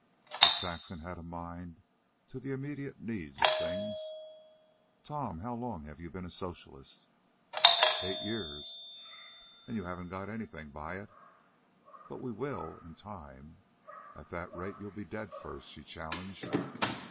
But Saxon had a mind to the immediate need of things. "Tom, how long have you been a socialist?" "Eight years." "And you haven't got anything by it?" "But we will... in time." "At that rate you'll be dead first," she challenged.